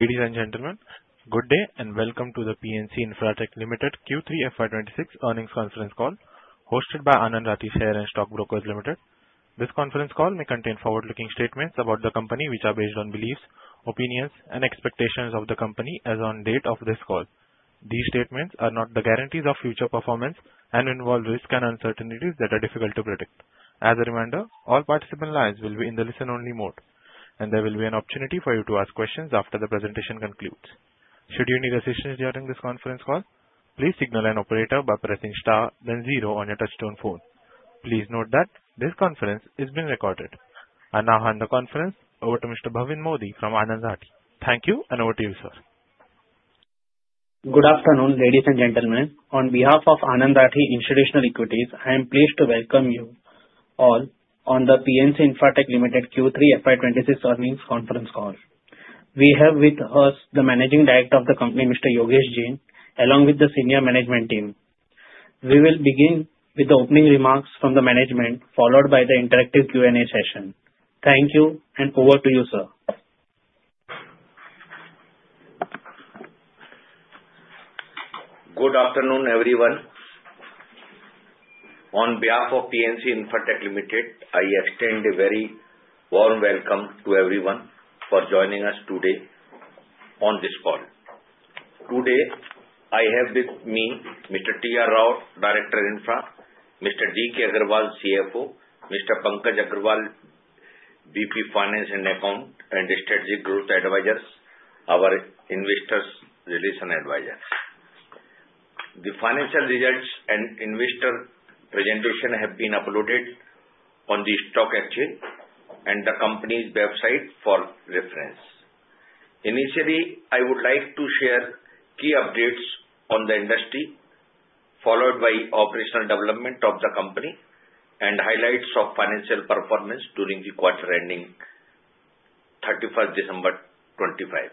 Ladies and gentlemen, good day and welcome to the PNC Infratech Limited Q3 FY26 earnings conference call, hosted by Anand Rathi Share and Stock Brokers Limited. This conference call may contain forward-looking statements about the company which are based on beliefs, opinions, and expectations of the company as on date of this call. These statements are not the guarantees of future performance and involve risks and uncertainties that are difficult to predict. As a reminder, all participant lines will be in the listen-only mode, and there will be an opportunity for you to ask questions after the presentation concludes. Should you need assistance during this conference call, please signal an operator by pressing star, then zero on your touchtone phone. Please note that this conference is being recorded. I now hand the conference over to Mr. Bhavin Modi from Anand Rathi. Thank you, and over to you, sir. Good afternoon, ladies and gentlemen. On behalf of Anand Rathi Institutional Equities, I am pleased to welcome you all on the PNC Infratech Limited Q3 FY26 earnings conference call. We have with us the Managing Director of the company, Mr. Yogesh Jain, along with the senior management team. We will begin with the opening remarks from the management, followed by the interactive Q&A session. Thank you, and over to you, sir. Good afternoon, everyone. On behalf of PNC Infratech Limited, I extend a very warm welcome to everyone for joining us today on this call. Today, I have with me Mr. T. R. Rao, Director of Infra, Mr. D. K. Agarwal, CFO, Mr. Pankaj Agarwal, VP Finance and Accounts, and Strategic Growth Advisors, our investors' relations advisors. The financial results and investor presentation have been uploaded on the stock exchange and the company's website for reference. Initially, I would like to share key updates on the industry, followed by operational development of the company and highlights of financial performance during the quarter ending 31st December 2025,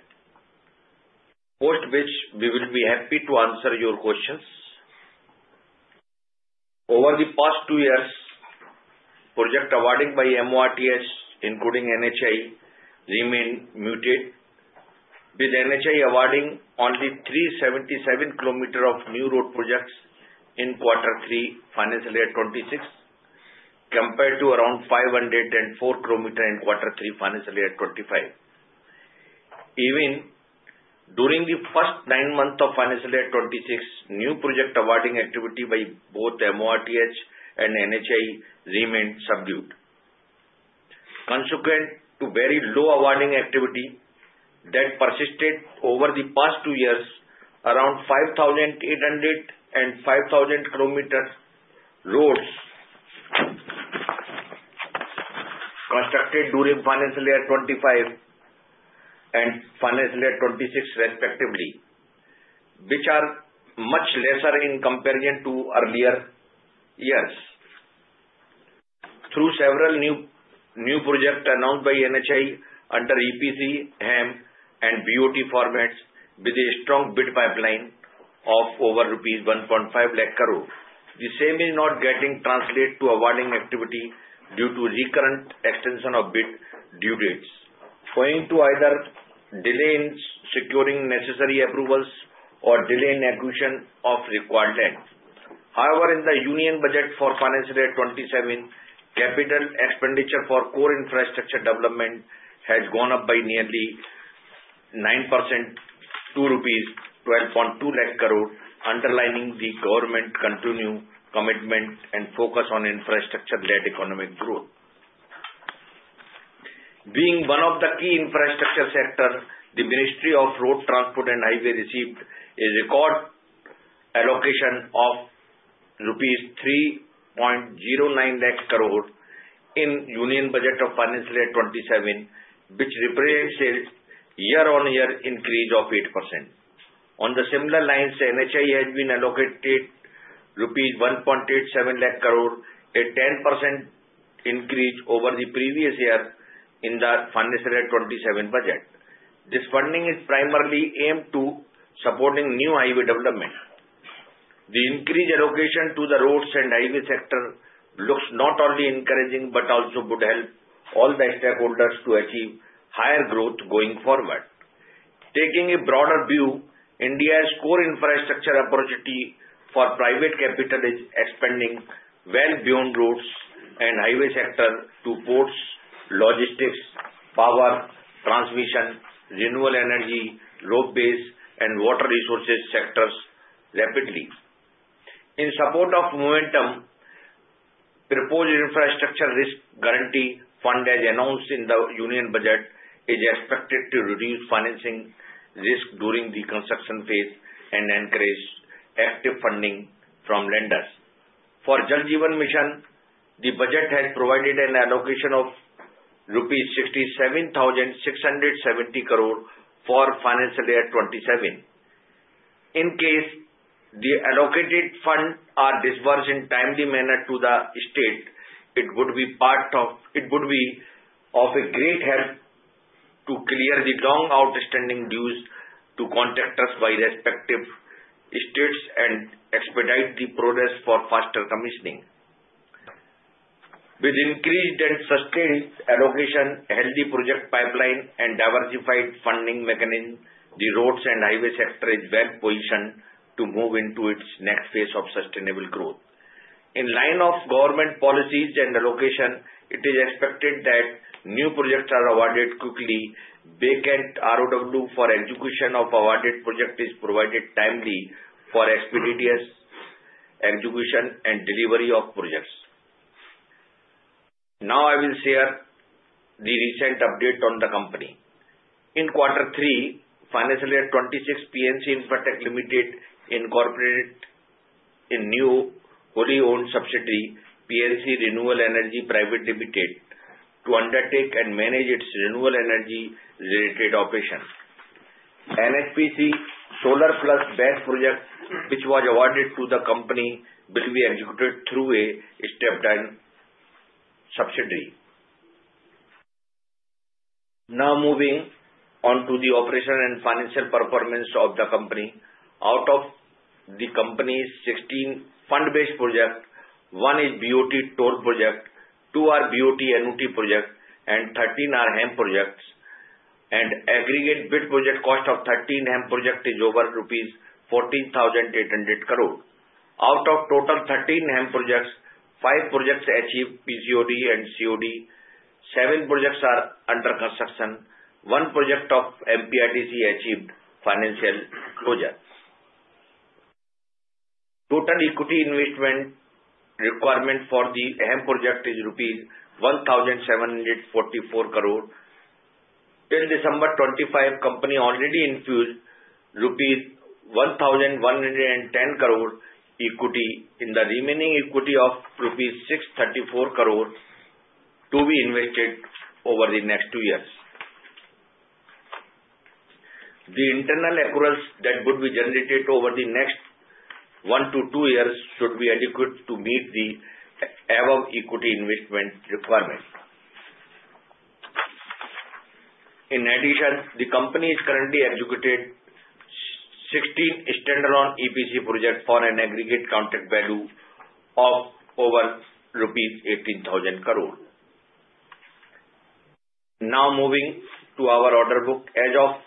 post which we will be happy to answer your questions. Over the past two years, projects awarded by MoRTH, including NHAI, remained muted, with NHAI awarding only 377 kilometers of new road projects in quarter three financial year 2026 compared to around 504 kilometers in quarter three financial year 2025. Even during the first nine months of financial year 2026, new project awarding activity by both MoRTH and NHAI remained subdued. Consequent to very low awarding activity that persisted over the past two years, around 5,800 and 5,000 kilometers of roads constructed during financial year 2025 and financial year 2026, respectively, which are much lesser in comparison to earlier years. Through several new projects announced by NHAI under EPC, HAM, and BOT formats, with a strong bid pipeline of over rupees 150,000 crore, the same is not getting translated to awarding activity due to recurrent extension of bid due dates, owing to either delay in securing necessary approvals or delay in acquisition of required land. However, in the Union Budget for financial year 2027, capital expenditure for core infrastructure development has gone up by nearly 9% to 1,220,000 crore, underlining the government's continued commitment and focus on infrastructure-led economic growth. Being one of the key infrastructure sectors, the Ministry of Road Transport and Highways received a record allocation of 309,000 crore in the Union Budget of financial year 2027, which represents a year-on-year increase of 8%. On similar lines, NHAI has been allocated INR 187,000 crore, a 10% increase over the previous year in the financial year 2027 budget. This funding is primarily aimed to support new highway development. The increased allocation to the roads and highway sector looks not only encouraging but also would help all the stakeholders to achieve higher growth going forward. Taking a broader view, India's core infrastructure opportunity for private capital is expanding well beyond roads and highway sectors to ports, logistics, power, transmission, renewable energy, road-based, and water resources sectors rapidly. In support of momentum, the proposed infrastructure risk guarantee fund, as announced in the union budget, is expected to reduce financing risk during the construction phase and encourage active funding from lenders. For the Jal Jeevan Mission, the budget has provided an allocation of rupees 67,670 crore for financial year 2027. In case the allocated funds are disbursed in a timely manner to the state, it would be of a great help to clear the long outstanding dues to contractors by respective states and expedite the progress for faster commissioning. With increased and sustained allocation, a healthy project pipeline, and diversified funding mechanisms, the roads and highway sector is well positioned to move into its next phase of sustainable growth. In line with government policies and allocation, it is expected that new projects are awarded quickly. Vacant ROW for execution of awarded projects is provided timely for expeditious execution and delivery of projects. Now, I will share the recent update on the company. In quarter three, financial year 2026, PNC Infratech Limited incorporated a new wholly-owned subsidiary, PNC Renewable Energy Private Limited, to undertake and manage its renewable energy-related operations. NHPC Solar + BESS projects, which were awarded to the company, will be executed through a step-down subsidiary. Now moving on to the operation and financial performance of the company. Out of the company's 16 fund-based projects, 1 is BOT-Toll project, 2 are BOT-Annuity projects, and 13 are HAM projects. The aggregate bid project cost of 13 HAM projects is over rupees 14,800 crore. Out of total 13 HAM projects, 5 projects achieved PCOD and COD, 7 projects are under construction, and 1 project of MPRDC achieved financial closure. Total equity investment requirement for the HAM project is INR 1,744 crore. Till December 25, the company already infused INR 1,110 crore equity in the remaining equity of INR 634 crore to be invested over the next 2 years. The internal accruals that would be generated over the next 1-2 years should be adequate to meet the above equity investment requirement. In addition, the company is currently executing 16 standalone EPC projects for an aggregate contract value of over rupees 18,000 crore. Now moving to our order book. As of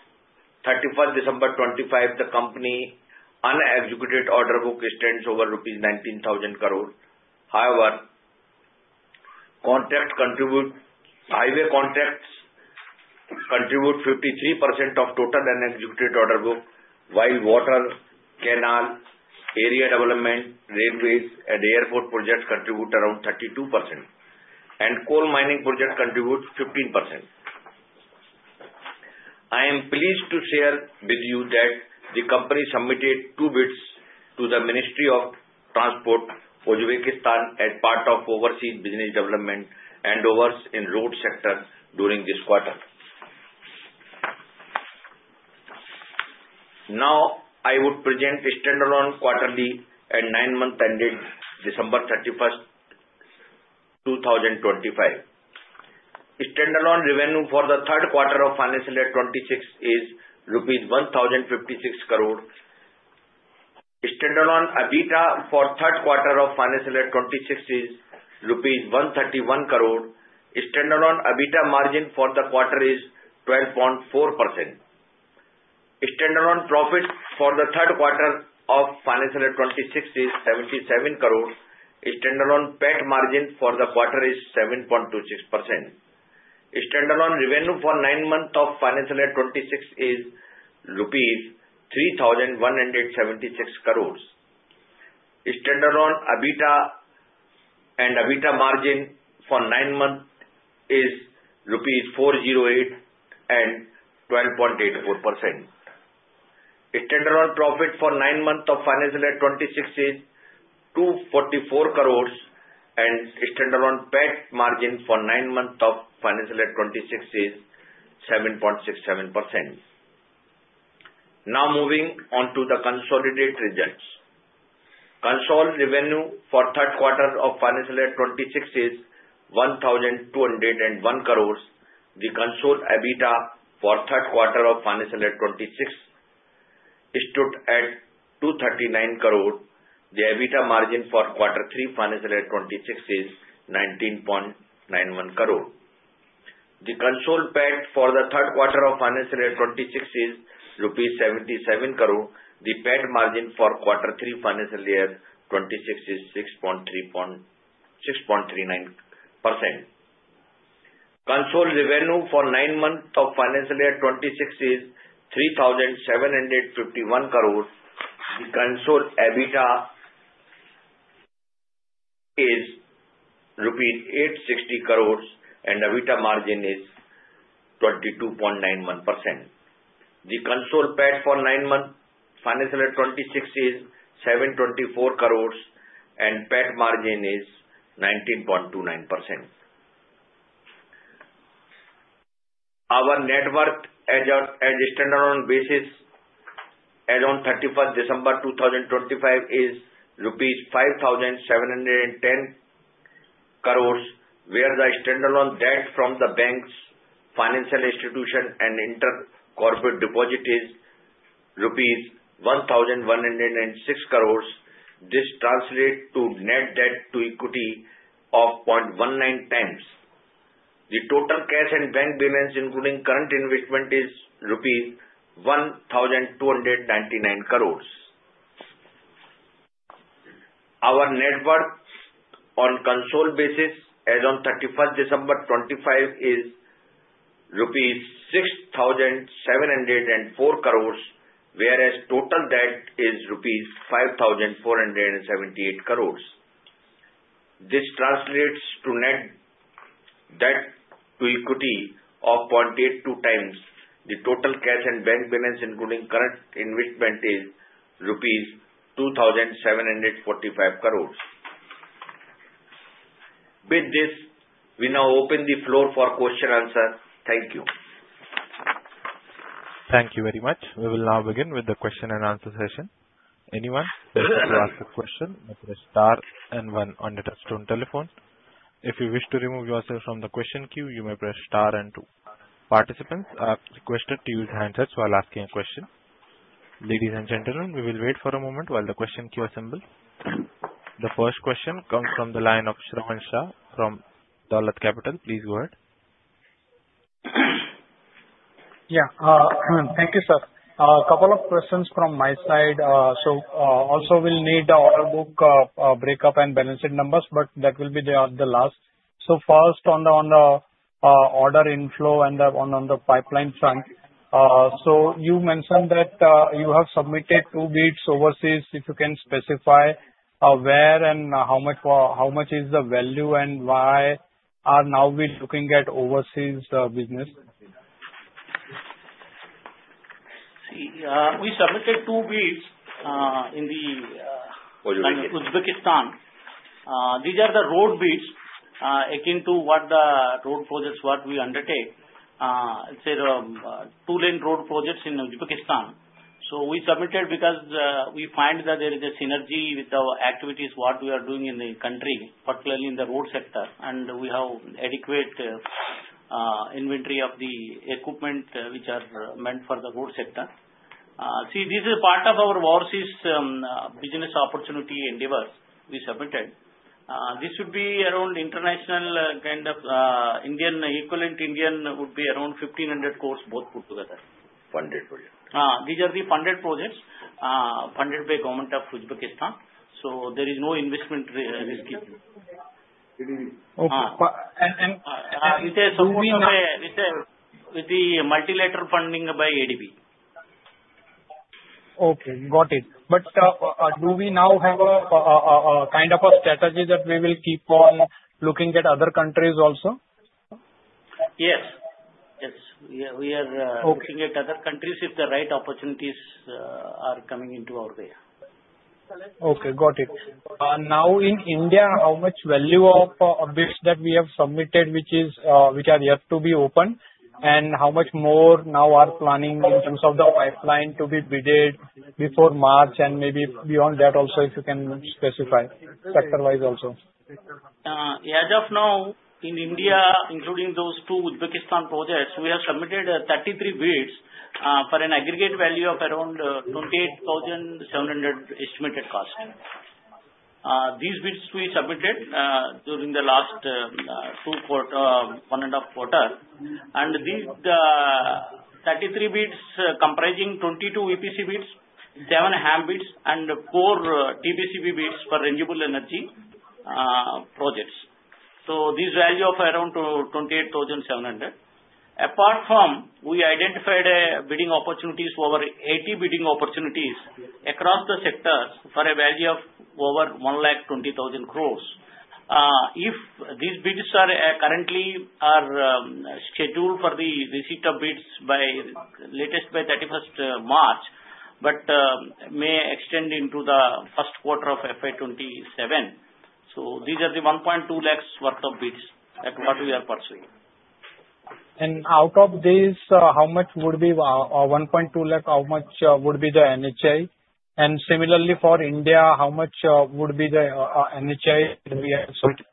December 31, 2025, the company's unexecuted order book stands over rupees 19,000 crore. However, highway contracts contribute 53% of the total unexecuted order book, while water, canal, area development, railways, and airport projects contribute around 32%, and coal mining projects contribute 15%. I am pleased to share with you that the company submitted 2 bids to the Ministry of Transport, Uzbekistan, as part of overseas business development and overseas road sectors during this quarter. Now, I would present the standalone quarterly and 9-month ended December 31, 2025. The standalone revenue for the third quarter of financial year 26 is INR 1,056 crore. The standalone EBITDA for the third quarter of financial year 26 is rupees 131 crore. The standalone EBITDA margin for the quarter is 12.4%. The standalone profit for the third quarter of financial year 26 is 77 crore. The standalone PAT margin for the quarter is 7.26%. The standalone revenue for the nine-month of financial year 26 is INR 3,176 crore. The standalone EBITDA and EBITDA margin for the nine-month is INR 408 and 12.84%. The standalone profit for the nine-month of financial year 26 is 244 crore, and the standalone PAT margin for the nine-month of financial year 26 is 7.67%. Now moving on to the consolidated results. The consolidated revenue for the third quarter of financial year 26 is 1,201 crore. The consolidated EBITDA for the third quarter of financial year 26 stood at 239 crore. The EBITDA margin for quarter three financial year 26 is 19.91 crore. The consolidated PAT for the third quarter of financial year 26 is rupees 77 crore. The PAT margin for quarter three financial year 26 is 6.39%. The consolidated revenue for the nine-month of financial year 26 is 3,751 crore. The consolidated EBITDA is rupees 860 crore, and the EBITDA margin is 22.91%. The consolidated PAT for the nine-month of financial year 26 is 724 crore, and the PAT margin is 19.29%. Our net worth as a standalone basis as of 31st December 2025 is rupees 5,710 crore, whereas the standalone debt from the banks, financial institutions, and intercorporate deposits is INR 1,106 crore. This translates to net debt to equity of 0.19 times. The total cash and bank balance, including current investment, is INR 1,299 crore. Our net worth on consolidated basis as of 31st December 2025 is rupees 6,704 crore, whereas total debt is rupees 5,478 crore. This translates to net debt to equity of 0.82x. The total cash and bank balance, including current investment, is INR 2,745 crore. With this, we now open the floor for questions and answers. Thank you. Thank you very much. We will now begin with the question and answer session. Anyone who wishes to ask a question may press star and one on the touch-tone telephone. If you wish to remove yourself from the question queue, you may press star and two. Participants are requested to use handset while asking a question. Ladies and gentlemen, we will wait for a moment while the question queue assembles. The first question comes from the line of Shravan Shah from Dolat Capital. Please go ahead. Yeah. Thank you, sir. A couple of questions from my side. So also, we'll need the order book breakup and balance sheet numbers, but that will be the last. So first, on the order inflow and on the pipeline front, so you mentioned that you have submitted two bids overseas. If you can specify where and how much is the value and why are we now looking at overseas business? See, we submitted two bids in Uzbekistan. These are the road bids akin to what the road projects were we undertake. It's a two-lane road project in Uzbekistan. So we submitted because we find that there is a synergy with the activities what we are doing in the country, particularly in the road sector, and we have adequate inventory of the equipment which are meant for the road sector. See, this is part of our overseas business opportunity endeavors we submitted. This would be around international kind of equivalent Indian would be around 1,500 crore both put together. Funded project. These are the funded projects funded by the government of Uzbekistan. So there is no investment risk. Okay. And. With the multilateral funding by ADB. Okay. Got it. But do we now have a kind of a strategy that we will keep on looking at other countries also? Yes. Yes. We are looking at other countries if the right opportunities are coming into our way. Okay. Got it. Now, in India, how much value of bids that we have submitted which are yet to be opened, and how much more now are planning in terms of the pipeline to be bidded before March and maybe beyond that also, if you can specify sector-wise also? As of now, in India, including those two Uzbekistan projects, we have submitted 33 bids for an aggregate value of around 28,700 estimated cost. These bids we submitted during the last one and a half quarter. These 33 bids comprising 22 EPC bids, seven HAM bids, and four TBCB bids for renewable energy projects. This value of around 28,700. Apart from, we identified bidding opportunities, over 80 bidding opportunities across the sectors for a value of over 120,000 crore. If these bids currently are scheduled for the receipt of bids latest by 31st March, but may extend into the first quarter of FY27. These are the 120,000 crore worth of bids that we are pursuing. Out of this, how much would be 1.2 lakh? How much would be the NHAI? And similarly, for India, how much would be the NHAI that we are expecting?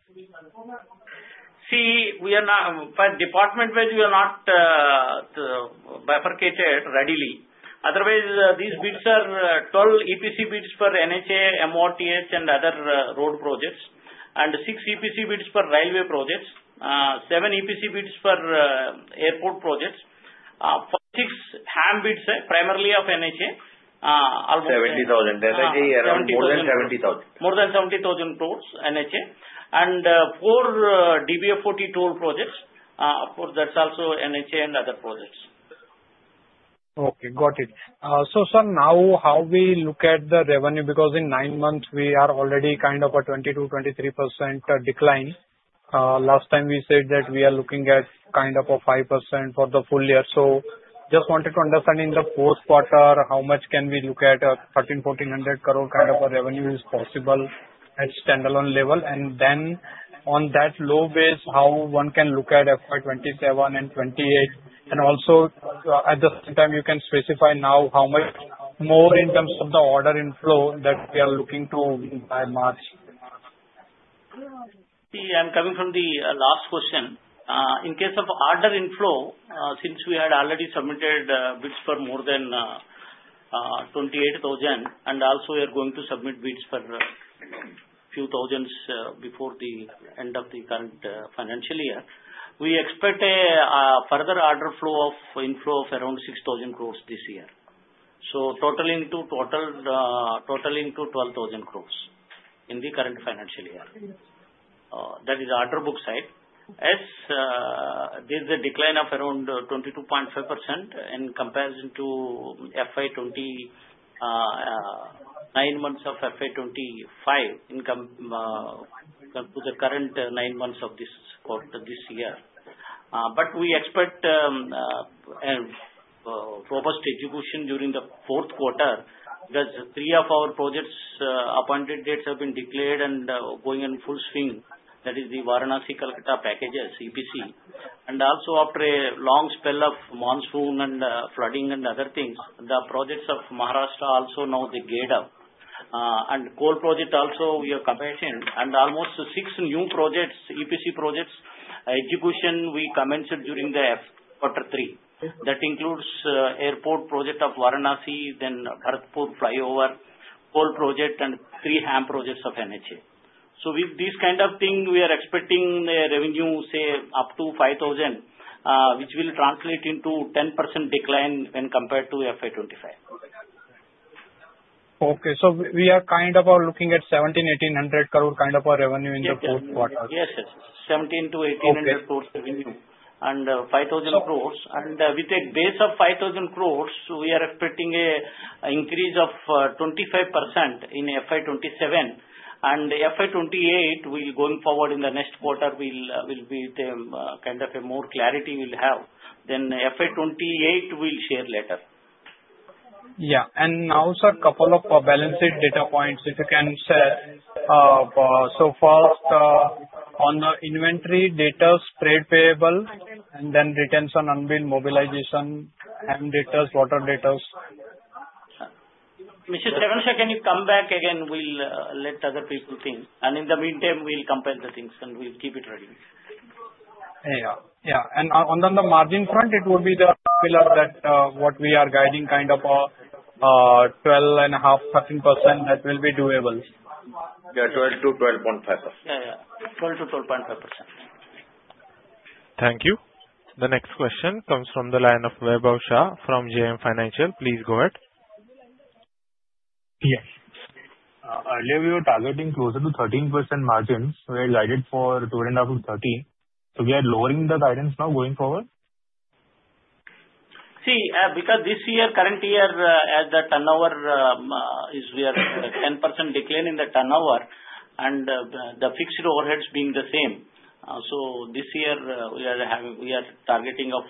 See, per department-wise, we are not bifurcated readily. Otherwise, these bids are 12 EPC bids for NHAI, MoRTH, and other road projects, and 6 EPC bids for railway projects, 7 EPC bids for airport projects. For 6 HAM bids, primarily of NHAI, almost 70,000. NHAI, more than 70,000. More than 70,000 crore NHAI. And 4 DBFOT toll projects. Of course, that's also NHAI and other projects. Okay. Got it. So sir, now how we look at the revenue? Because in nine months, we are already kind of a 22%-23% decline. Last time, we said that we are looking at kind of a 5% for the full year. So just wanted to understand in the fourth quarter, how much can we look at a 1,300-1,400 crore kind of a revenue is possible at standalone level? And then on that low base, how one can look at FY 2027 and 2028? And also, at the same time, you can specify now how much more in terms of the order inflow that we are looking to by March. See, I'm coming from the last question. In case of order inflow, since we had already submitted bids for more than 28,000, and also, we are going to submit bids for a few thousands before the end of the current financial year, we expect a further order flow of inflow of around 6,000 crore this year. So totaling to 12,000 crore in the current financial year. That is order book side. As there's a decline of around 22.5% in comparison to nine months of FY25 to the current nine months of this year. But we expect robust execution during the fourth quarter because three of our project appointed dates have been declared and going in full swing. That is the Varanasi-Kolkata packages, EPC. And also, after a long spell of monsoon and flooding and other things, the projects of Maharashtra also now, they gave up. Solar project also, we are commissioned. Almost six new projects, EPC projects, execution we commenced during quarter three. That includes airport project of Varanasi, then Bharatpur flyover, solar project, and three HAM projects of NHAI. So with these kind of things, we are expecting revenue, say, up to 5,000 crore, which will translate into 10% decline when compared to FY25. Okay. So we are kind of looking at 1,700 crore-1,800 crore kind of a revenue in the fourth quarter. Yes, yes, yes. 1,700-1,800 crore revenue and 5,000 crore. And with a base of 5,000 crore, we are expecting an increase of 25% in FY 2027. And FY 2028, going forward in the next quarter, will be kind of a more clarity we'll have. Then FY 2028, we'll share later. Yeah. Now, sir, a couple of balance sheet data points, if you can share. First, on the inventory, debtors, payables, and then advances on unbilled mobilization, HAM assets, water assets. Mr. Shravan Shah, can you come back again? We'll let other people think. In the meantime, we'll compile the things, and we'll keep it ready. Yeah. Yeah. On the margin front, it would be the pillar that what we are guiding kind of a 12.5%-13% that will be doable. Yeah. 12%-12.5%. Yeah, yeah. 12%-12.5%. Thank you. The next question comes from the line of Vaibhav Shah from JM Financial. Please go ahead. Yes. Earlier, we were targeting closer to 13% margins. We are guided for 2.5%-13%. So we are lowering the guidance now going forward? See, because this year, current year, as the turnover is we are 10% decline in the turnover, and the fixed overhead is being the same. So this year, we are targeting of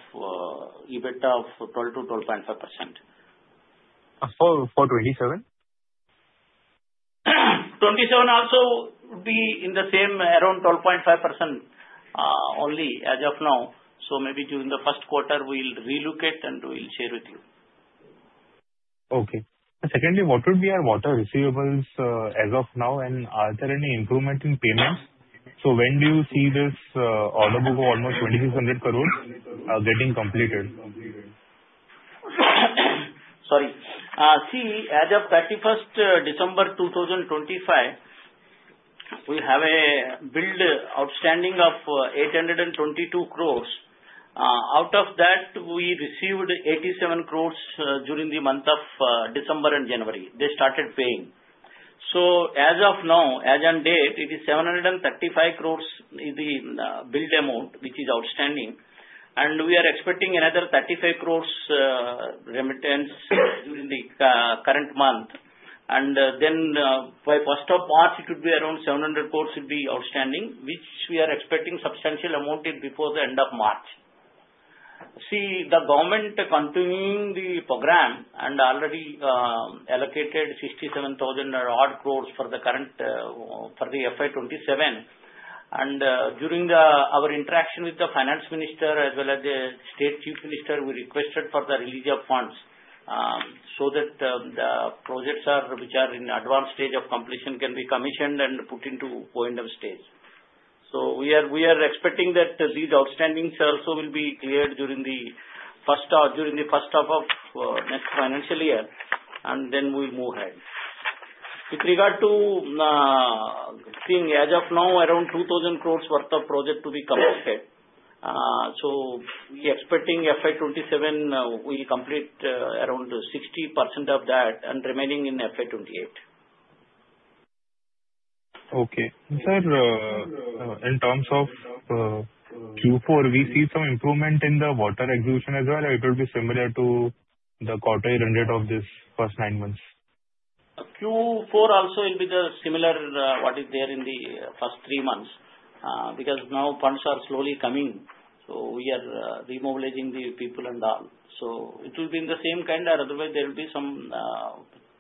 EBITDA of 12%-12.5%. For 27? 27 also would be in the same around 12.5% only as of now. So maybe during the first quarter, we'll relook at, and we'll share with you. Okay. Secondly, what would be our water receivables as of now, and are there any improvement in payments? So when do you see this order book of almost 2,600 crore getting completed? Sorry. See, as of 31st December 2025, we have a billed outstanding of 822 crore. Out of that, we received 87 crore during the month of December and January. They started paying. So as of now, as on date, it is 735 crore is the billed amount, which is outstanding. And we are expecting another 35 crore remittance during the current month. And then by first of March, it would be around 700 crore would be outstanding, which we are expecting substantial amount before the end of March. See, the government continuing the program and already allocated 67,000 crore or odd for the FY27. And during our interaction with the finance minister as well as the state chief minister, we requested for the release of funds so that the projects which are in advanced stage of completion can be commissioned and put into point of stage. So we are expecting that these outstandings also will be cleared during the first half of next financial year, and then we'll move ahead. With regard to seeing as of now, around 2,000 crore worth of project to be completed. So we are expecting FY27, we'll complete around 60% of that and remaining in FY28. Okay. Sir, in terms of Q4, we see some improvement in the water execution as well? Or it will be similar to the quarterly run rate of these first nine months? Q4 also will be the similar what is there in the first three months because now funds are slowly coming. So we are remobilizing the people and all. So it will be in the same kind, or otherwise, there will be some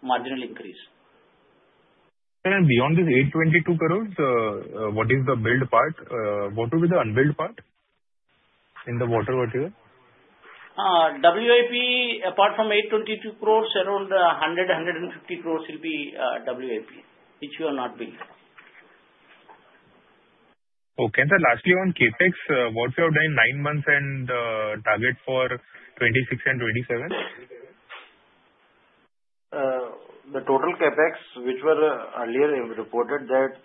marginal increase. Sir, and beyond this 822 crore, what is the billed part? What will be the unbilled part in the water material? WIP, apart from 822 crore, around 100 crore-150 crore will be WIP, which we have not billed. Okay. And sir, lastly, on CapEx, what we have done in nine months and target for 2026 and 2027? The total CapEx, which were earlier reported, that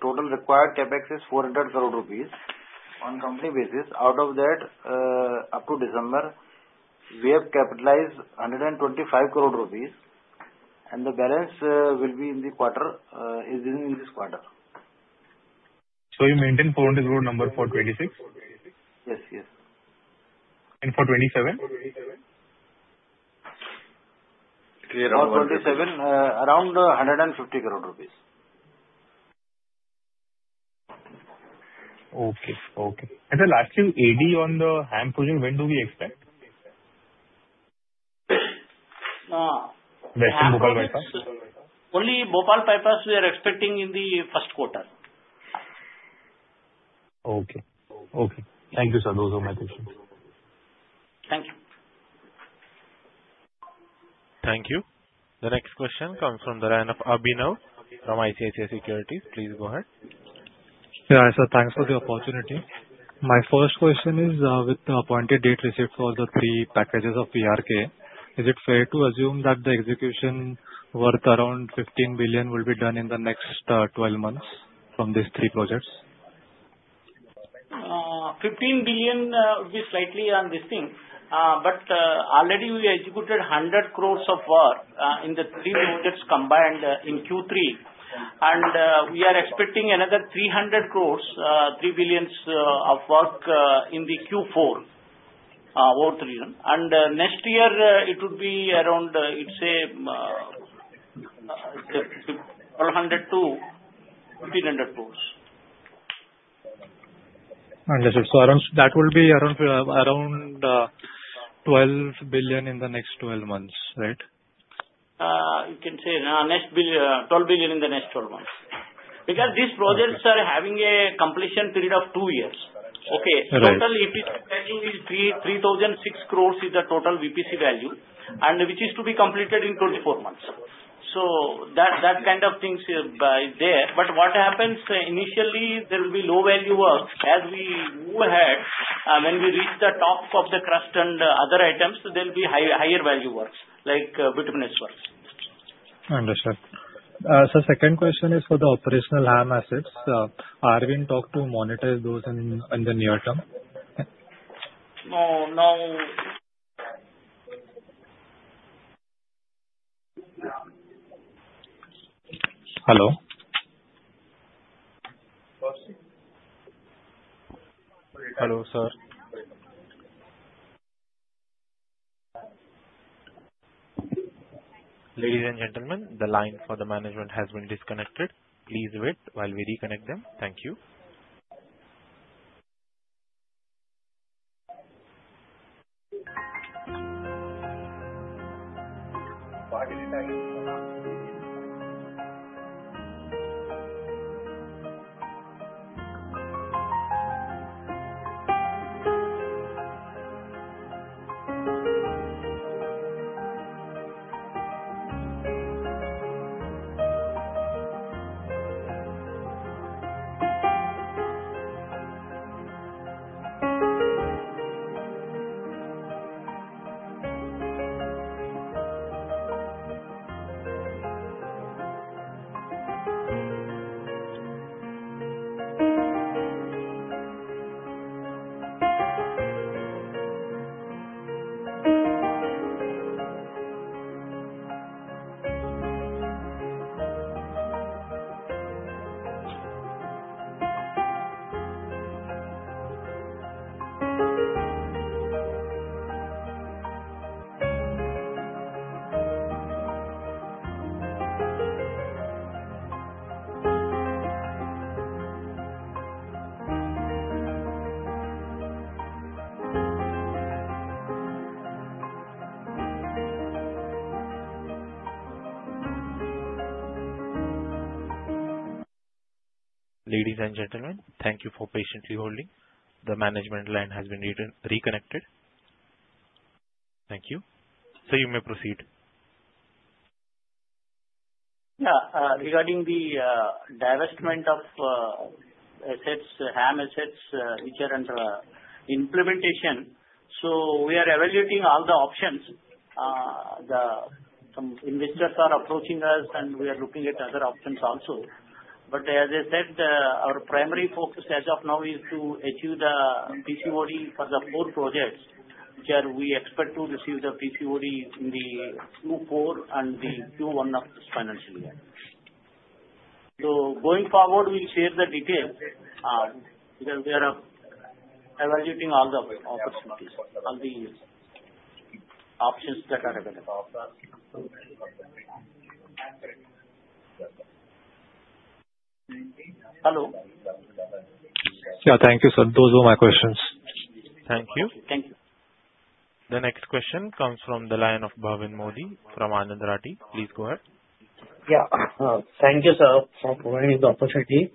total required CapEx is 400 crore rupees on company basis. Out of that, up to December, we have capitalized 125 crore rupees. The balance will be in this quarter. So you maintain 400 crore number for 26? Yes, yes. For 27? For 27, around INR 150 crore. Okay. Okay. And sir, lastly, AD on the HAM project, when do we expect? Western Bhopal Bypass? Only Bhopal Bypass we are expecting in the first quarter. Okay. Okay. Thank you, sir. Those are my questions. Thank you. Thank you. The next question comes from the line of Abhinav from ICICI Securities. Please go ahead. Yeah. Sir, thanks for the opportunity. My first question is with the appointed date receipt for all the three packages of VRK, is it fair to assume that the execution worth around 15 billion will be done in the next 12 months from these three projects? 15 billion will be slightly on this thing. But already, we executed 100 crore of work in the three projects combined in Q3. And we are expecting another 300 crore, 3 billion of work in the Q4 FY23. And next year, it would be around, it's INR 1,200-INR 1,500 crore. Understood. So that will be around 12 billion in the next 12 months, right? You can say 12 billion in the next 12 months because these projects are having a completion period of two years. Okay. Total EPC value is 3,006 crore is the total EPC value, which is to be completed in 24 months. So that kind of thing is there. But what happens initially, there will be low value work. As we move ahead, when we reach the top of the crust and other items, there'll be higher value works like bituminous works. Understood. Sir, second question is for the operational HAM assets. Are we in talk to monetize those in the near term? No. Hello? Hello, sir. Ladies and gentlemen, the line for the management has been disconnected. Please wait while we reconnect them. Thank you. Ladies and gentlemen, thank you for patiently holding. The management line has been reconnected. Thank you. So you may proceed. Yeah. Regarding the divestment of assets, HAM assets, and other implementations, so we are evaluating all the options. Some investors are approaching us, and we are looking at other options also. But as I said, our primary focus as of now is to achieve the PCOD for the four projects, which we expect to receive the PCOD in the Q4 and the Q1 of this financial year. So going forward, we'll share the details because we are evaluating all the opportunities, all the options that are available. Hello? Yeah. Thank you, sir. Those were my questions. Thank you. Thank you. The next question comes from the line of Bhavin Modi from Anand Rathi. Please go ahead. Yeah. Thank you, sir, for providing the opportunity.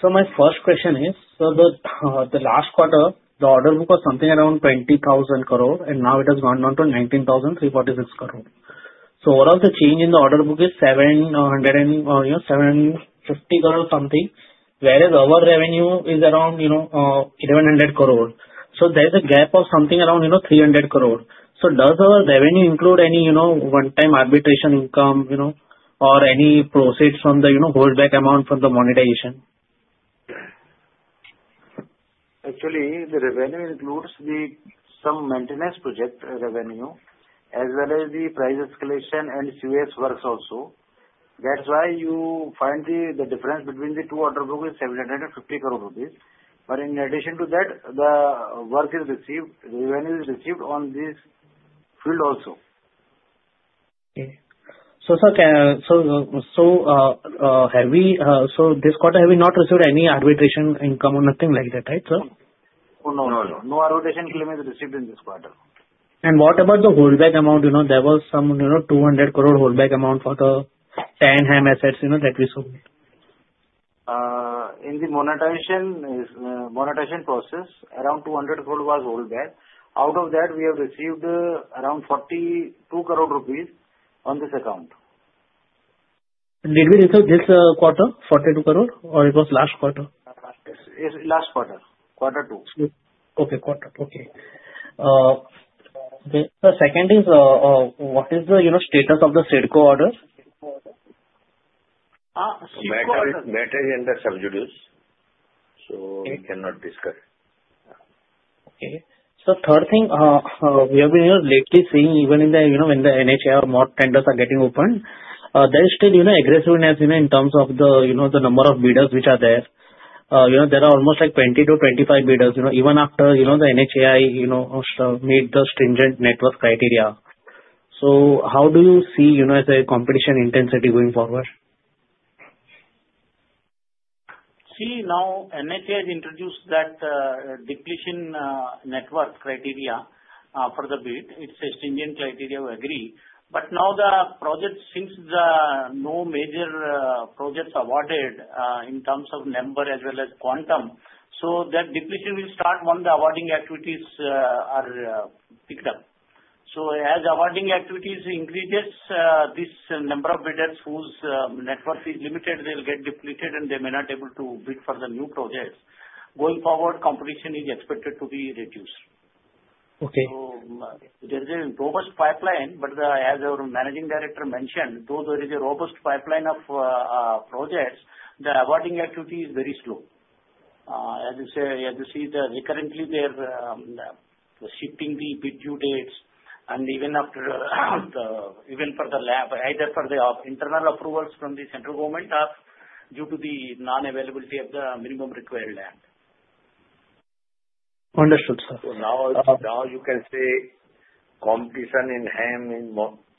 So my first question is, so the last quarter, the order book was something around 20,000 crore, and now it has gone down to 19,346 crore. So overall, the change in the order book is 750 crore something, whereas our revenue is around 1,100 crore. So there is a gap of something around 300 crore. So does our revenue include any one-time arbitration income or any proceeds from the holdback amount from the monetization? Actually, the revenue includes some maintenance project revenue as well as the price escalation and COS works also. That's why you find the difference between the two order books is 750 crore rupees. But in addition to that, the work is received, the revenue is received on this field also. Okay. So, sir, have we not received any arbitration income or nothing like that this quarter, right, sir? No, no, no. No arbitration claim is received in this quarter. What about the holdback amount? There was some 200 crore holdback amount for the 10 HAM assets that we sold. In the monetization process, around 200 crore was holdback. Out of that, we have received around 42 crore rupees on this account. Did we receive this quarter, 42 crore, or it was last quarter? Last quarter. Quarter two. Sir, second is, what is the status of the CIDCO order? CIDCO is managed under subsidiaries, so we cannot discuss. Okay. Sir, third thing, we have been lately seeing even in the NHAI, more tenders are getting opened. There is still aggressiveness in terms of the number of bidders which are there. There are almost 20-25 bidders even after the NHAI meets the stringent net worth criteria. So how do you see as a competition intensity going forward? See, now NHAI has introduced that depletion net worth criteria for the bid. It's a stringent criteria. We agree. But now the project, since no major projects are awarded in terms of number as well as quantum, so that depletion will start when the awarding activities are picked up. So as awarding activities increases, this number of bidders whose net worth is limited, they'll get depleted, and they may not be able to bid for the new projects. Going forward, competition is expected to be reduced. So there is a robust pipeline, but as our managing director mentioned, though there is a robust pipeline of projects, the awarding activity is very slow. As you see, recurrently, they are shifting the bid due dates. And even for the award, either for the internal approvals from the central government due to the nonavailability of the minimum required land. Understood, sir. Now you can say competition in HAM is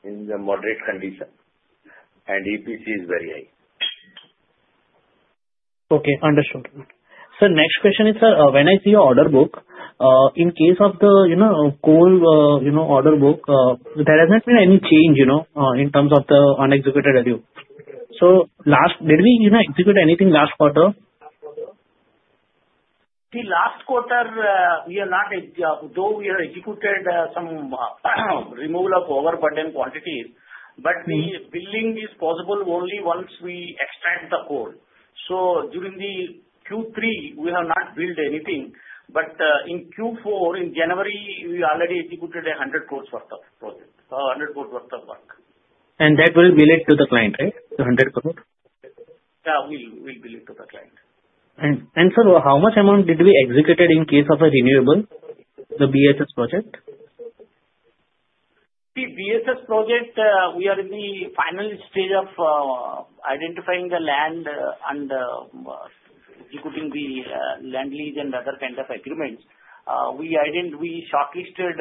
in the moderate condition, and EPC is very high. Okay. Understood. Sir, next question is, sir, when I see your order book, in case of the whole order book, there has not been any change in terms of the unexecuted value. So did we execute anything last quarter? See, last quarter, we are not though we have executed some removal of overburdened quantities, but the billing is possible only once we extract the code. During the Q3, we have not billed anything. In Q4, in January, we already executed 100 crore worth of project, 100 crore worth of work. That will be late to the client, right? The 100 crore? Yeah. We'll be late to the client. Sir, how much amount did we execute in case of a renewable, the BESS project? See, BESS project, we are in the final stage of identifying the land and executing the land lease and other kind of agreements. We shortlisted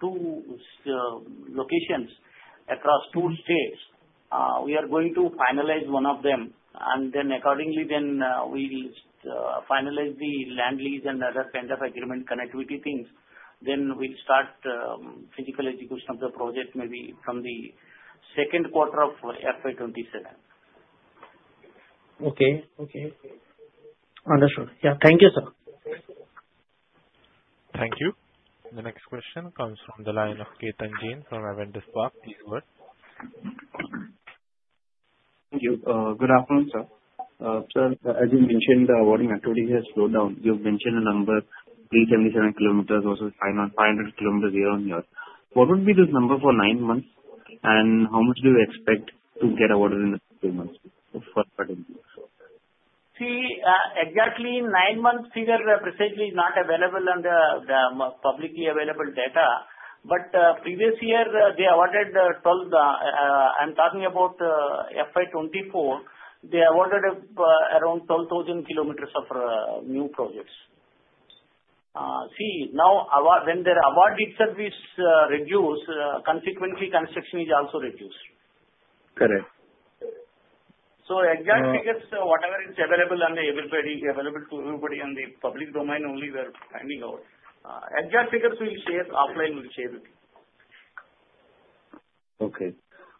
two locations across two states. We are going to finalize one of them. And then accordingly, then we'll finalize the land lease and other kind of agreement connectivity things. Then we'll start physical execution of the project maybe from the second quarter of FY27. Okay. Okay. Understood. Yeah. Thank you, sir. Thank you. The next question comes from the line of Ketan Jain from Avendus Spark. Please go ahead. Thank you. Good afternoon, sir. Sir, as you mentioned, the awarding activity has slowed down. You've mentioned a number, 377 kilometers versus 500 kilometers here on here. What would be this number for nine months, and how much do you expect to get awarded in the two months for the current year? See, exactly nine months figure precisely is not available under the publicly available data. But previous year, they awarded 12. I'm talking about FY2024, they awarded around 12,000 kilometers of new projects. See, now when their award itself is reduced, consequently, construction is also reduced. So exact figures, whatever is available and available to everybody on the public domain, only we are finding out. Exact figures we'll share offline, we'll share with you. Okay.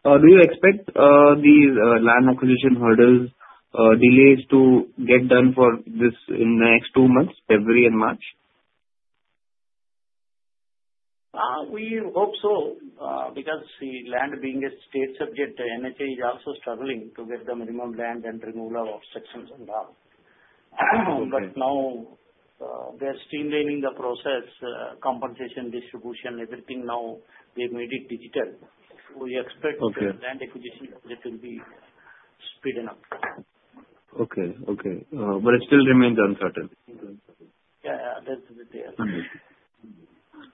Do you expect the land acquisition hurdles, delays to get done for this in the next two months, February and March? We hope so because, see, land being a state subject, NHAI is also struggling to get the minimum land and removal of obstructions and all. But now they are streamlining the process, compensation distribution, everything. Now they made it digital. So we expect the land acquisition project will be speeding up. Okay. Okay. But it still remains uncertain. Yeah. Yeah. That's the there.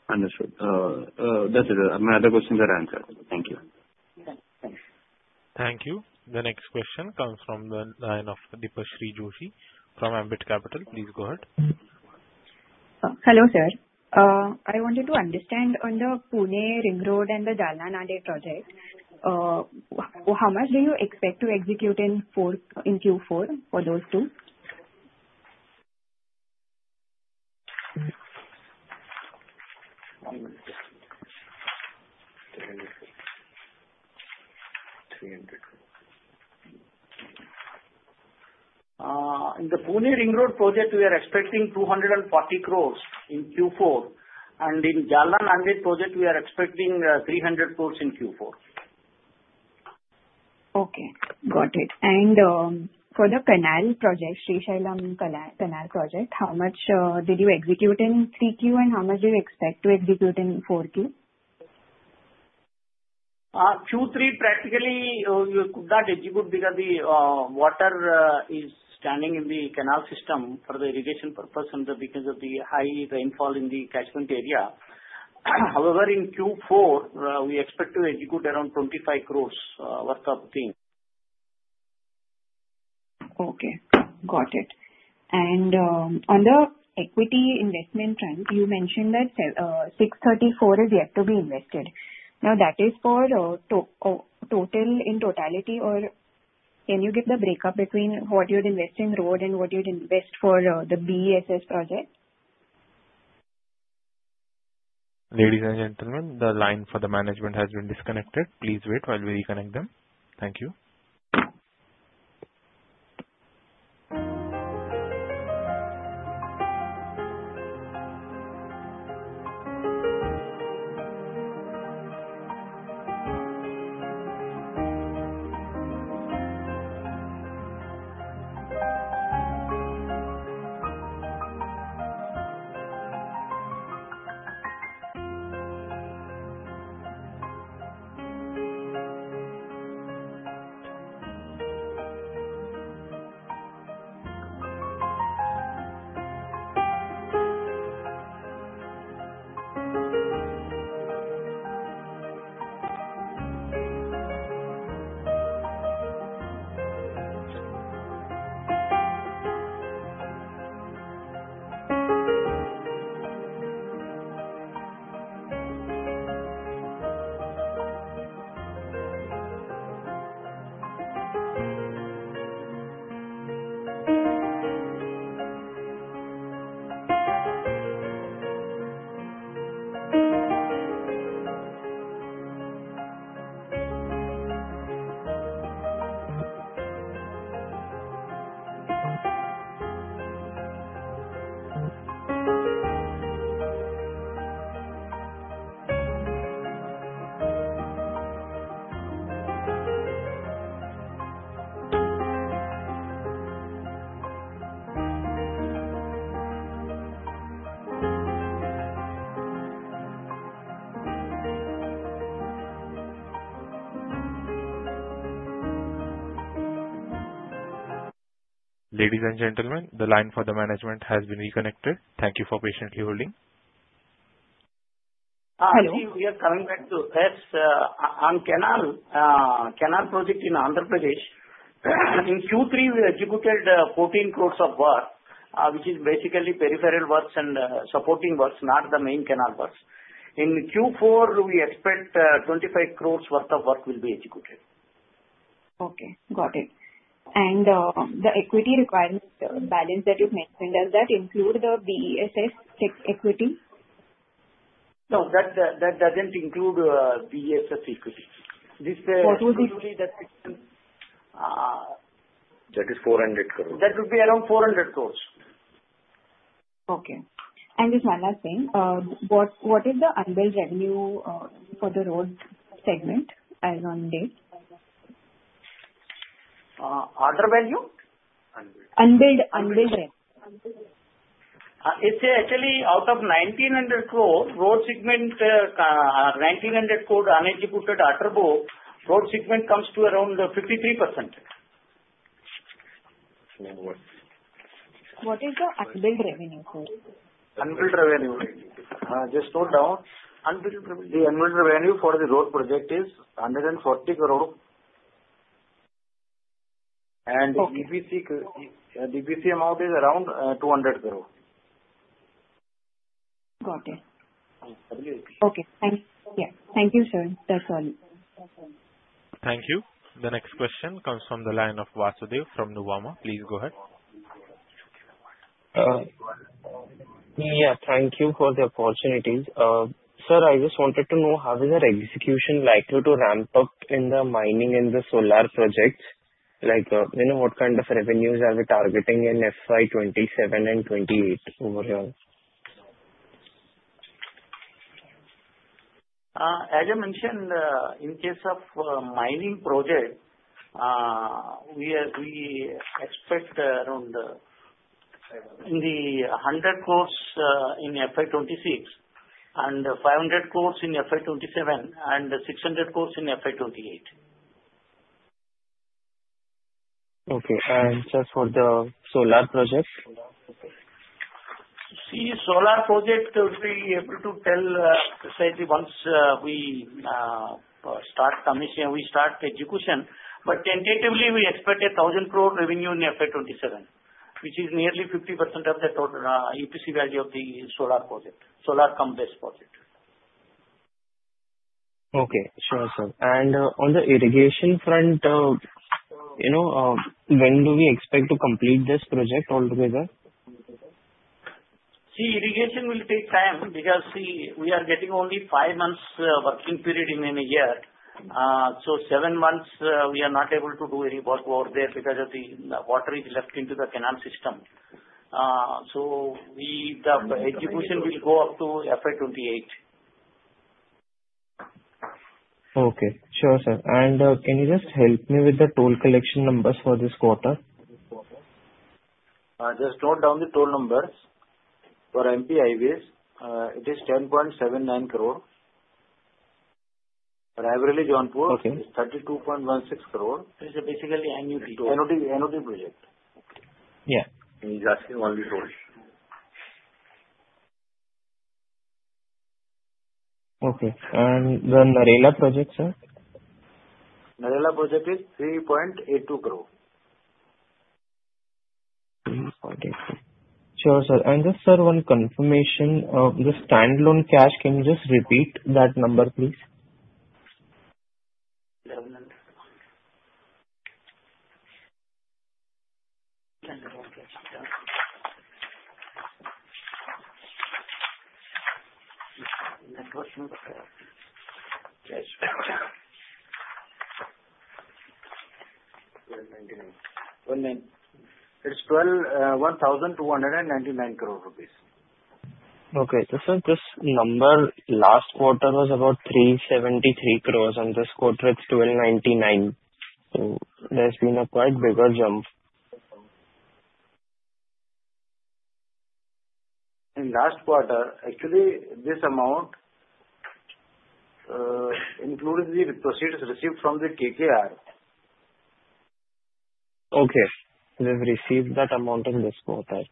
Understood. That's it. My other questions are answered. Thank you. Thanks. Thank you. The next question comes from the line of Deepashree Joshi from Ambit Capital. Please go ahead. Hello, sir. I wanted to understand on the Pune Ring Road and the Jalna-Nanded project, how much do you expect to execute in Q4 for those two? In the Pune Ring Road project, we are expecting 240 crore in Q4. In the Jalna-Nanded project, we are expecting 300 crore in Q4. Okay. Got it. And for the canal project, Srisailam Canal Project, how much did you execute in 3Q, and how much do you expect to execute in 4Q? Q3, practically, you could not execute because the water is standing in the canal system for the irrigation purpose because of the high rainfall in the catchment area. However, in Q4, we expect to execute around 25 crore worth of things. Okay. Got it. On the equity investment trend, you mentioned that 634 is yet to be invested. Now, that is for total in totality, or can you give the breakup between what you'd invest in road and what you'd invest for the BESS project? Ladies and gentlemen, the line for the management has been disconnected. Please wait while we reconnect them. Thank you. Ladies and gentlemen, the line for the management has been reconnected. Thank you for patiently holding. Hello. Actually, we are coming back to the canal project in Andhra Pradesh. In Q3, we executed 14 crore of work, which is basically peripheral works and supporting works, not the main canal works. In Q4, we expect 25 crore worth of work will be executed. Okay. Got it. And the equity requirement balance that you've mentioned, does that include the BESS equity? No, that doesn't include BESS equity. This is absolutely the system. That is 400 crore. That would be around 400 crore. Okay. Just one last thing, what is the unbilled revenue for the road segment as on date? Order value? Unbuilt revenue. It's actually out of 1,900 crore, road segment 1,900 crore unexecuted order book, road segment comes to around 53%. What is the unbilled revenue, sir? Unbilled revenue. Just note down, the unbilled revenue for the road project is 140 crore. The EPC amount is around INR 200 crore. Got it. Okay. Thank you, sir. That's all. Thank you. The next question comes from the line of Vasudev from Nuvama. Please go ahead. Yeah. Thank you for the opportunities. Sir, I just wanted to know, how is our execution likely to ramp up in the mining and the solar projects? What kind of revenues are we targeting in FY2027 and 2028 overall? As I mentioned, in case of mining projects, we expect around 100 crore in FY26 and 500 crore in FY27 and 600 crore in FY28. Okay. And just for the solar projects? See, solar project, we'll be able to tell precisely once we start execution. But tentatively, we expect 1,000 crore revenue in FY27, which is nearly 50% of the total EPC value of the solar project, Solar + BESS project. Okay. Sure, sir. And on the irrigation front, when do we expect to complete this project altogether? See, irrigation will take time because, see, we are getting only five months working period in a year. So seven months, we are not able to do any work over there because of the water is left into the canal system. So the execution will go up to FY28. Okay. Sure, sir. Can you just help me with the toll collection numbers for this quarter? Just note down the toll numbers. For MP Highways, it is 10.79 crore. For Raebareli-Jaunpur, it is 32.16 crore. It's basically annuity. Annuity project. He's asking only toll. Okay. And the Narela project, sir? Narela project is 3.82 crore. Sure, sir. And just, sir, one confirmation, the standalone cash, can you just repeat that number, please? 12,299 crore. Okay. Sir, this number last quarter was about 373 crore. On this quarter, it's 1,299 crore. So there's been a quite bigger jump. In last quarter, actually, this amount includes the proceeds received from the KKR. Okay. We've received that amount in this quarter.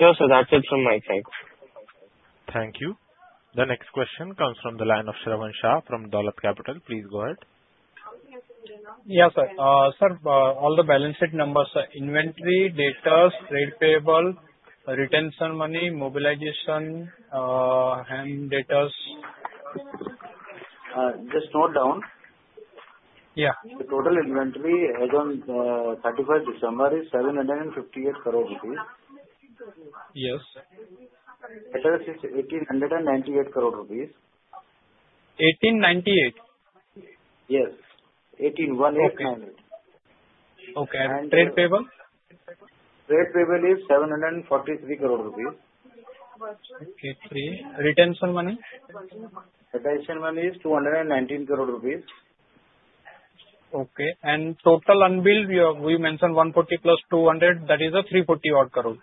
Sure, sir. That's it from my side. Thank you. The next question comes from the line of Shravan Shah from Dolat Capital. Please go ahead. Yeah, sir. Sir, all the balance sheet numbers, inventory data, trade payable, retention money, mobilization, HAM datas. Just note down, the total inventory as on 31st December is 758 crore rupees. Yes. Debtors is 1,898 crore rupees. 1,898? Yes. 1,898. Okay. And trade payable? Trade payable is INR 743 crore. Okay. Retention money? Retention money is 219 crore rupees. Okay. Total unbilled, you mentioned 140 plus 200. That is 340-odd crore.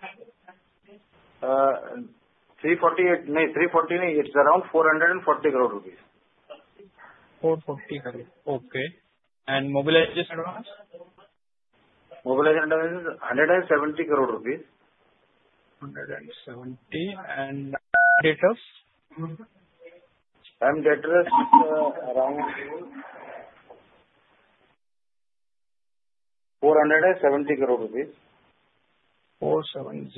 No, 340 not. It's around 440 crore rupees. 440 crore. Okay. And mobilization advance? Mobilization advance is INR 170 crore. And HAM data? HAM data is around 470 crore rupees. Okay.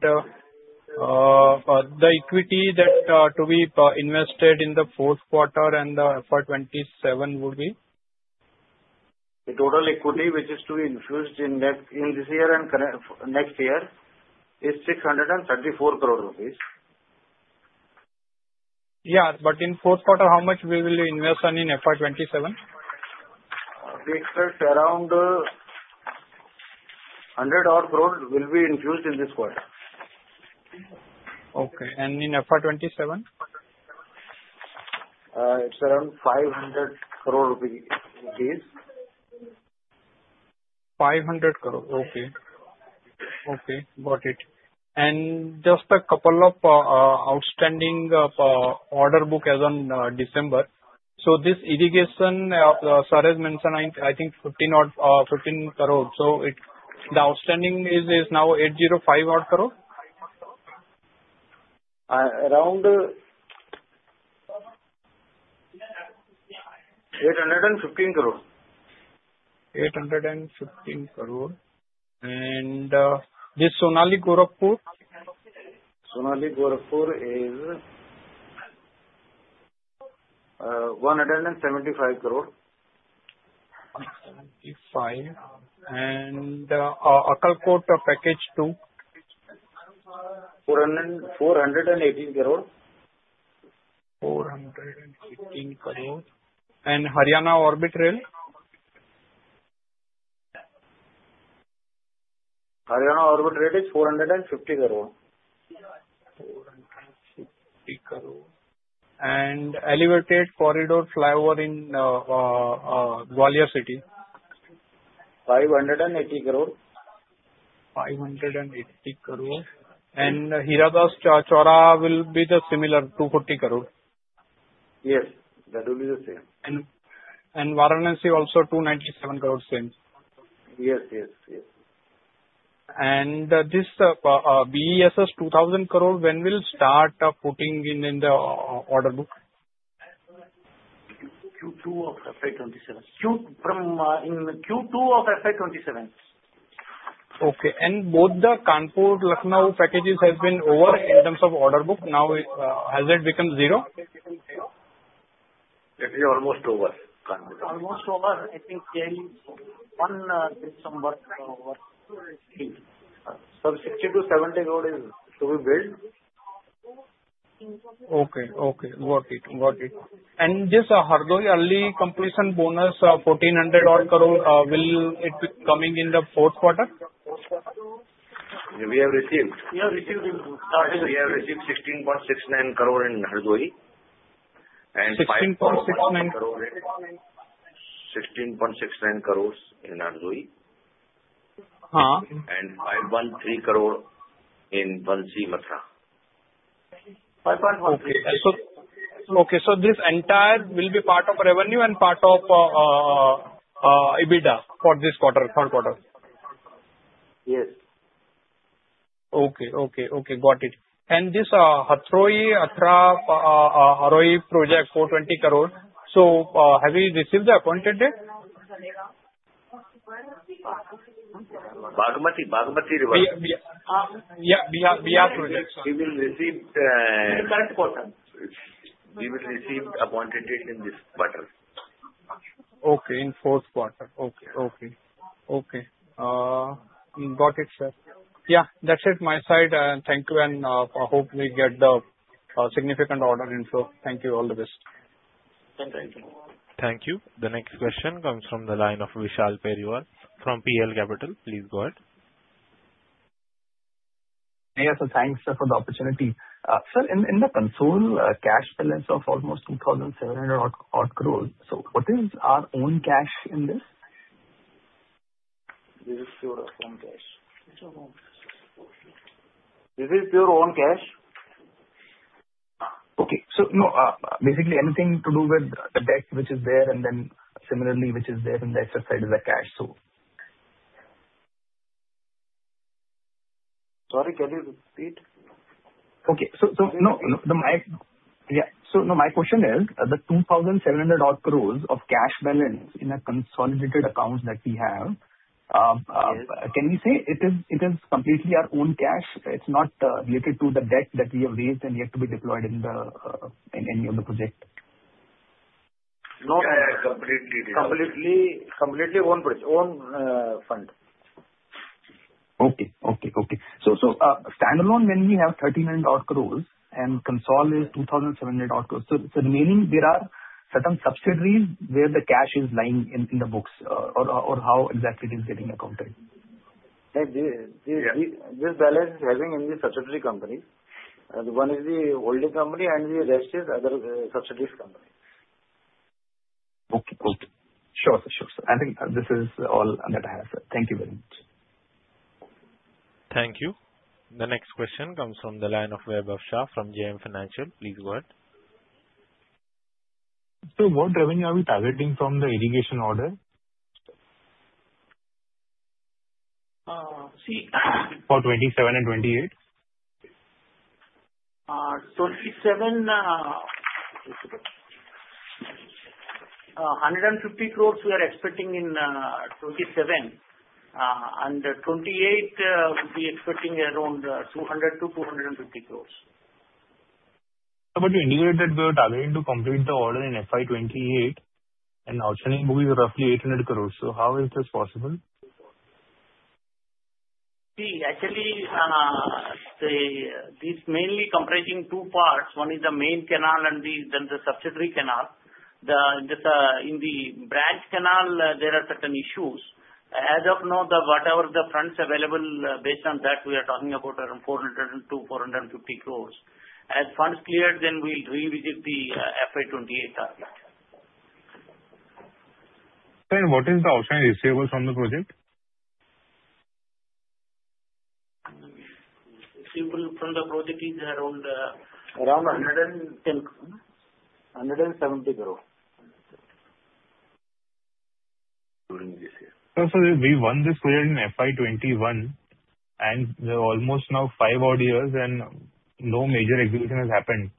The equity that to be invested in the fourth quarter and the FY27 would be? The total equity, which is to be infused in this year and next year, is INR 634 crore. Yeah. But in fourth quarter, how much will we invest in FY27? We expect around 100 crore will be infused in this quarter. Okay. And in FY27? It's around INR 500 crore. 500 crore. Okay. Okay. Got it. And just a couple of outstanding order book as on December. So this irrigation, sir has mentioned, I think, 15 crore. So the outstanding is now 805 crore odd? Around 815 crore. 815 crore. This Sonauli-Gorakhpur? Sonauli-Gorakhpur is INR 175 crore. Akkalkot Package 2? 418 crore. 418 crore. And Haryana Orbit Rail? Haryana Orbit Rail Corridor is 450 crore. 450 crore. Elevated Corridor Flyover in Gwalior City? 580 crore. 580 crore. And Hapur-Garh Mukteshwar will be the similar, 240 crore? Yes. That will be the same. Varanasi also 297 crore, same? Yes, yes, yes. This BESS 2,000 crore, when will start putting in the order book? Q2 of FY27. In Q2 of FY27. Okay. And both the Kanpur-Lucknow packages have been over in terms of order book? Now, has it become zero? It is almost over. Almost over? I think there is some work still. 60-70 road is to be built. Okay. Okay. Got it. Got it. Just a Hardoi early completion bonus, 1,400-odd crore, will it be coming in the fourth quarter? We have received. We have received in starting? We have received INR 16.69 crore in Hardoi and INR 5.69 crore in Hardoi. Huh? INR 5.13 crore in Unnao-Lalganj. 513 crore. Okay. So this entire will be part of revenue and part of EBITDA for this quarter, third quarter? Yes. Okay. Okay. Okay. Got it. And this Mathura-Hathras-Budaun-Bareilly project, 420 crore. So have you received the appointed date? Bagmati. Bagmati River. Yeah. Yeah. Bihar project. We will receive in the third quarter. We will receive the appointed date in this quarter. Okay. In fourth quarter. Okay. Okay. Okay. Got it, sir. Yeah. That's it from my side. Thank you. And I hope we get the significant order info. Thank you. All the best. Thank you. Thank you. The next question comes from the line of Vishal Periwal from PL Capital. Please go ahead. Yes. Thanks, sir, for the opportunity. Sir, in the consolidated cash balance of almost 2,700 odd crore. So what is our own cash in this? This is pure our own cash. This is pure our own cash. Okay. So no, basically, anything to do with the debt, which is there, and then similarly, which is there in the exercise, is the cash, so. Sorry. Can you repeat? Okay. So no, yeah. So no, my question is, the 2,700 crore odd cash balance in a consolidated account that we have, can we say it is completely our own cash? It's not related to the debt that we have raised and yet to be deployed in any of the projects? No, no. Completely. Completely own fund. Okay. Okay. Okay. So standalone, when we have 39-odd crore and consolidated is 2,700-odd crore, so remaining, there are certain subsidiaries where the cash is lying in the books or how exactly it is getting accounted? This balance is having in the subsidiary companies. One is the holding company, and the rest is other subsidiaries' companies. Okay. Okay. Sure, sir. Sure, sir. I think this is all that I have, sir. Thank you very much. Thank you. The next question comes from the line of Vaibhav Shah from JM Financial. Please go ahead. What revenue are we targeting from the irrigation order? See. For 27 and 28? 150 crore we are expecting in 2027. 2028, we'll be expecting around 200 crore-250 crore. But you indicated that we are targeting to complete the order in FY28, and outstanding book is roughly 800 crore. So how is this possible? See, actually, this is mainly comprising two parts. One is the main canal and then the subsidiary canal. In the branch canal, there are certain issues. As of now, whatever the funds are available based on that, we are talking about around 400 crore-450 crore. As funds clear, then we'll revisit the FY28 target. What is the outstanding receivables from the project? Receivable from the project is around. Around 170 crore. During this year. Sir, we won this project in FY21, and there are almost now 5 odd years, and no major execution has happened.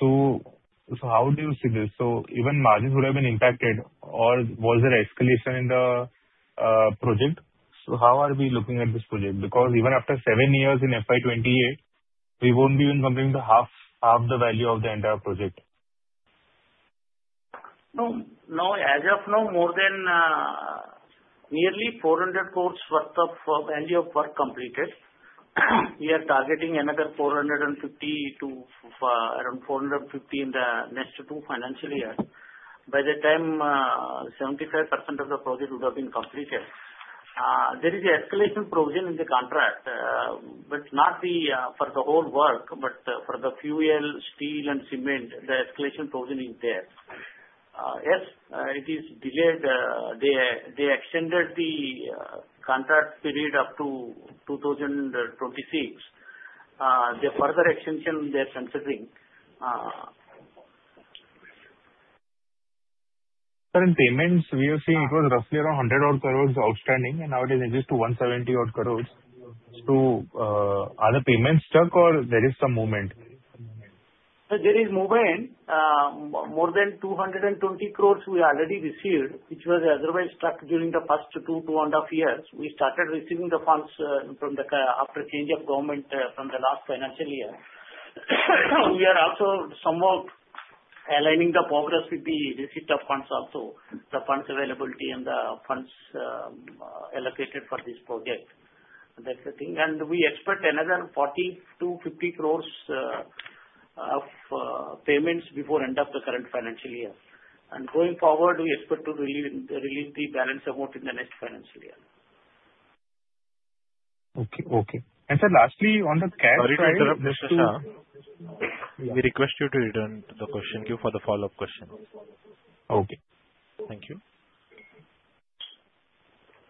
So how do you see this? So even margins would have been impacted, or was there escalation in the project? So how are we looking at this project? Because even after 7 years in FY28, we won't be even completing half the value of the entire project. No. As of now, more than nearly 400 crore worth of value of work completed. We are targeting another 450 crore to around 450 crore in the next two financial years. By the time, 75% of the project would have been completed. There is an escalation provision in the contract, but not for the whole work, but for the fuel, steel, and cement, the escalation provision is there. Yes, it is delayed. They extended the contract period up to 2026. The further extension they are considering. Sir, in payments, we are seeing it was roughly around 100 crore outstanding, and now it has increased to 170 crore. Are the payments stuck, or there is some movement? There is movement. More than 220 crore we already received, which was otherwise stuck during the past two, two and a half years. We started receiving the funds after change of government from the last financial year. We are also somewhat aligning the progress with the receipt of funds also, the funds availability and the funds allocated for this project. That's the thing. We expect another 40 crore-50 crore of payments before the end of the current financial year. Going forward, we expect to release the balance amount in the next financial year. Okay. Okay. Sir, lastly, on the cash. Sorry to interrupt, Mr. Shah. We request you to return the question queue for the follow-up question. Okay. Thank you.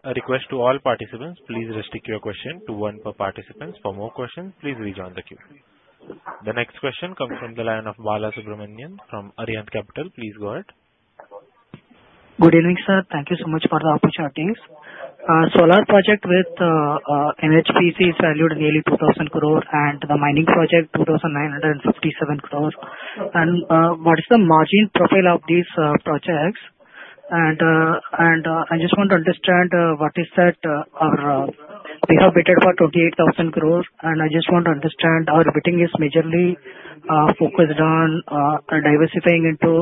A request to all participants, please restrict your question to one per participant. For more questions, please rejoin the queue. The next question comes from the line of Bala Subramanian from Arihant Capital. Please go ahead. Good evening, sir. Thank you so much for the opportunities. Solar project with NHPC is valued nearly 2,000 crore, and the mining project, 2,957 crore. What is the margin profile of these projects? I just want to understand what is that our we have bid for 28,000 crore, and I just want to understand our bidding is majorly focused on diversifying into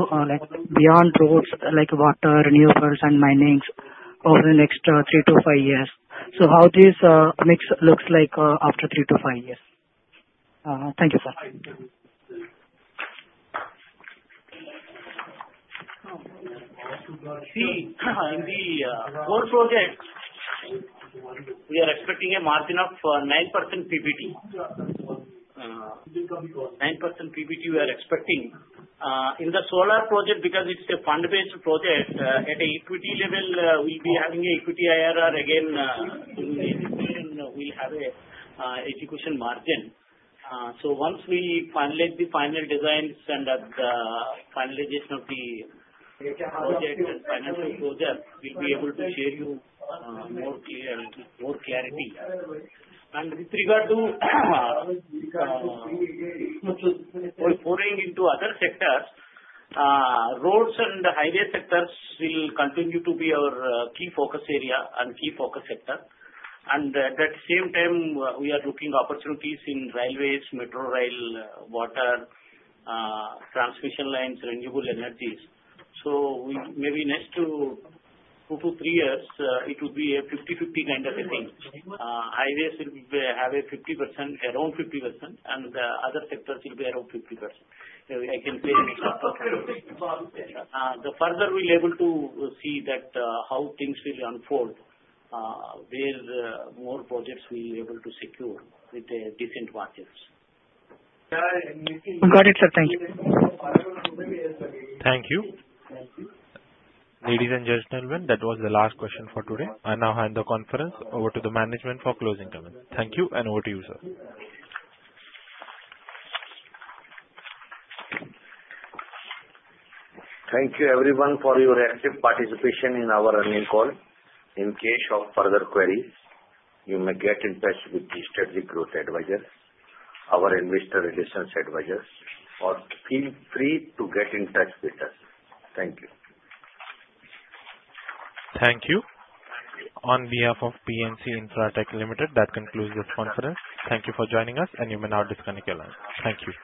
beyond roads like water, renewables, and mining over the next three to five years. So how this mix looks like after three to five years? Thank you, sir. See, in the four projects, we are expecting a margin of 9% PBT. 9% PBT we are expecting. In the solar project, because it's a fund-based project, at an equity level, we'll be having an equity IRR. Again, in this case, we'll have an execution margin. So once we finalize the final designs and the finalization of the project and financial project, we'll be able to share you more clarity. And with regard to pouring into other sectors, roads and highway sectors will continue to be our key focus area and key focus sector. And at that same time, we are looking at opportunities in railways, metro rail, water, transmission lines, renewable energies. So maybe next two to three years, it will be a 50/50 kind of a thing. Highways will have around 50%, and the other sectors will be around 50%. I can say. Okay. Okay. The further we're able to see how things will unfold, where more projects we'll be able to secure with decent margins. Got it, sir. Thank you. Thank you. Thank you. Ladies and gentlemen, that was the last question for today. I now hand the conference over to the management for closing comments. Thank you, and over to you, sir. Thank you, everyone, for your active participation in our earnings call. In case of further queries, you may get in touch with the Strategic Growth Advisors, our investor relations advisors, or feel free to get in touch with us. Thank you. Thank you. On behalf of PNC Infratech Limited, that concludes this conference. Thank you for joining us, and you may now disconnect your line. Thank you.